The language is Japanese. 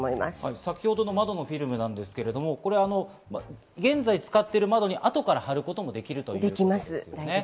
先ほどの窓のフィルムですけれど、現在使っている窓に後から貼ることもできるんですよね。